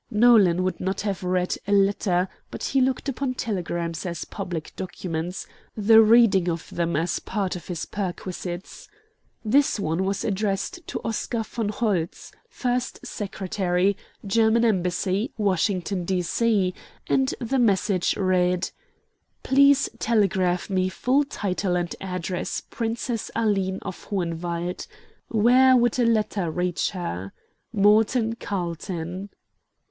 Nolan would not have read a letter, but he looked upon telegrams as public documents, the reading of them as part of his perquisites. This one was addressed to Oscar Von Holtz, First Secretary, German Embassy, Washington, D.C., and the message read: "Please telegraph me full title and address Princess Aline of Hohenwald. Where would a letter reach her? "MORTON CARLTON."